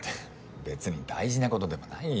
別に大事なことでもないよ。